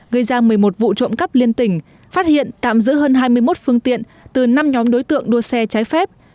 gây ra một mươi một vụ trộm cắp liên tỉnh phát hiện tạm giữ hơn hai mươi một phương tiện từ năm nhóm đối tượng đua xe trái phép